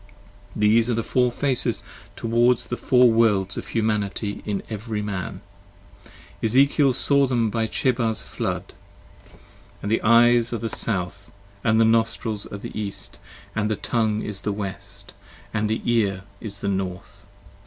These are the four Faces towards the Four Worlds of Humanity In every Man. Ezekiel saw them by Chebar's flood. And the Eyes are the South, and the Nostrils are the East, 60 And the Tongue is the West, and the Ear is the North.